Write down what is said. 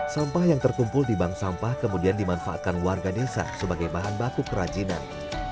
sampah yang terkumpul di bank sampah kemudian dimanfaatkan warga desa sebagai bahan baku kerajinan